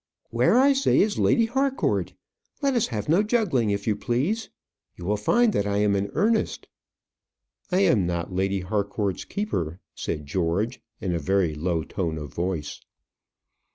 "Where, I say, is Lady Harcourt? Let us have no juggling, if you please. You will find that I am in earnest." "I am not Lady Harcourt's keeper," said George, in a very low tone of voice.